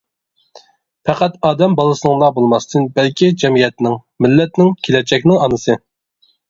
پەقەت ئادەم بالىسىنىڭلا بولماستىن بەلكى جەمئىيەتنىڭ، مىللەتنىڭ، كېلەچەكنىڭ ئانىسى.